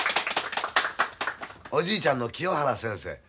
おじいちゃんの清原先生。